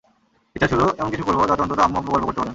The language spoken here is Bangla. ইচ্ছা ছিল এমন কিছু করব, যাতে অন্তত আম্মু–আব্বু গর্ব করতে পারেন।